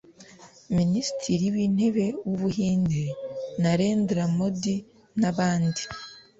Minisitiri w’Intebe w’u Buhinde Narendra Modi n’abandi